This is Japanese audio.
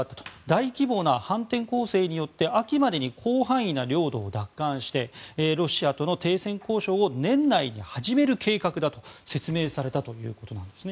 大規模な反転攻勢によって秋までに広範囲な領土を奪還してロシアとの停戦交渉を年内に始める計画だと説明されたということなんです。